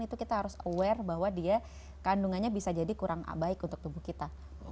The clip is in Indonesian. itu kita harus aware bahwa dia kandungannya bisa jadi kurang baik untuk tubuh kita